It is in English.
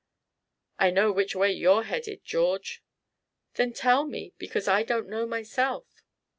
"I know which way you're headed, George." "Then tell me, because I don't know myself."